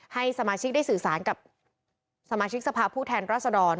ให้สมาชิกได้สื่อสารกับสมาชิกสภาพผู้แทนรัศดร